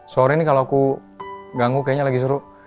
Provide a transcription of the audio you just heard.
sore ini kalau aku ganggu kayaknya lagi seru